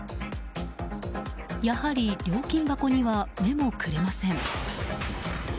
やはり料金箱には目もくれません。